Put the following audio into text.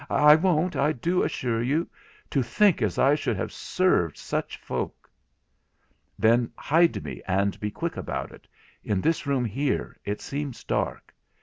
'I won't, I do assure you—to think as I should have served such folk.' 'Then hide me, and be quick about it—in this room here, it seems dark.